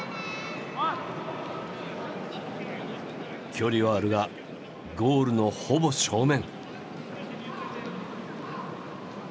距離はあるがゴールのほぼ正面。